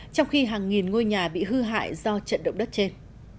trong khi hàng nghìn ngôi nhà bị hư hại do trận động đất trên